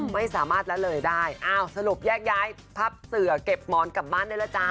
ไม่สามารถละเลยได้อ้าวสรุปแยกย้ายพับเสือเก็บหมอนกลับบ้านได้แล้วจ๊ะ